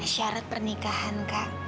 syarat pernikahan kak